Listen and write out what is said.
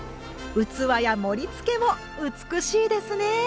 器や盛りつけも美しいですね。